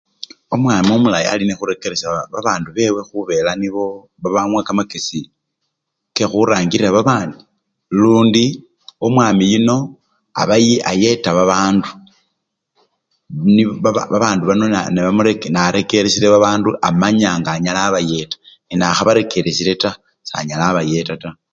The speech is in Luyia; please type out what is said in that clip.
Omwami omulayi alinende khurekeresya babndu bewe khubela nibo babamuwa kamakesi kekhurangilila babandi lundi omwami yuno abaayeta babandu ni! babandu bano! narekeresyile babandu amanya nga anyala\ wabayeta, nakhabarekelesyile taa, sanyala wabayeta taa.